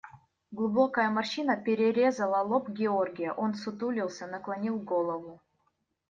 Глубокая морщина перерезала лоб Георгия, он ссутулился, наклонил голову.